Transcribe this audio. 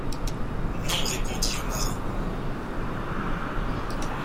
Non, répondit le marin.